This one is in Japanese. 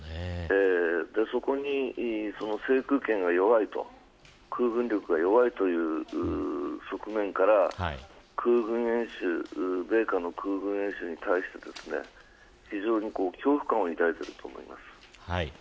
そこに制空権が弱いと空軍面が弱いという側面から米韓の空軍演習に対して非常に恐怖感を抱いていると思います。